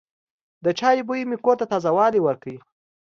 د چای بوی مې کور ته تازه والی ورکړ.